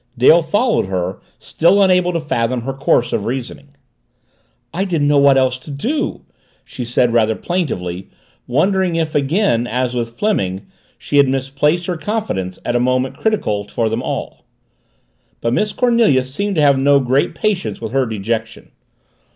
Dale followed her, still unable to fathom her course of reasoning. "I didn't know what else to do," she said rather plaintively, wondering if again, as with Fleming, she had misplaced her confidence at a moment critical for them all. But Miss Cornelia seemed to have no great patience with her dejection.